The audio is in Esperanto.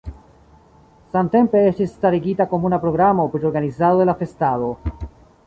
Samtempe estis starigita komuna programo pri organizado de la festado.